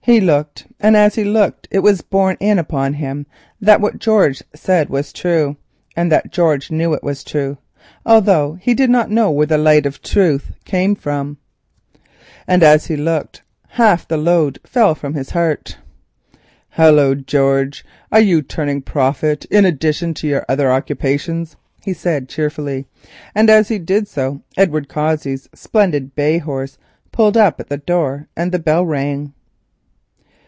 He looked, and it was borne in upon him that what George said was true, and that George knew it was true, although he did not know where the light of truth came from, and as he looked half the load fell from his heart. "Hullo, George, are you turning prophet in addition to your other occupations?" he said cheerfully, and as he did so Edward Cossey's splendid bay horse pulled up at the door and the bell rang.